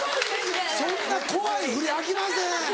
そんな怖いふりあきません。